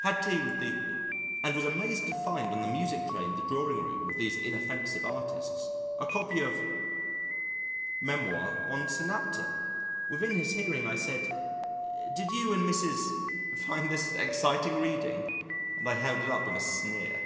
Had tea with the and was amazed to find on the music tray in the drawing room of these inoffensive artists a copy of 's Memoir on Synapta. Within his hearing, I said, "Did you and Mrs. find this exciting reading?" And I held it up with a sneer.